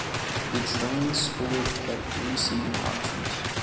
The Trans Sport had three seating options.